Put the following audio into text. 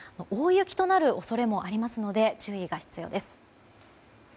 大雪となる恐れもありますので注意が必要です。